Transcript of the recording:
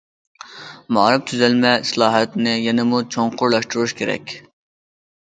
مائارىپ تۈزۈلمە ئىسلاھاتىنى يەنىمۇ چوڭقۇرلاشتۇرۇش كېرەك.